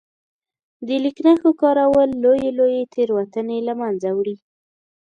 د لیک نښو کارول لويې لويې تېروتنې له منځه وړي.